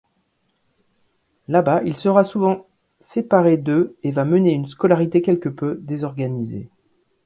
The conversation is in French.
Là-bas, il sera souvent séparé d'eux et va mener une scolarité quelque peu désorganisée.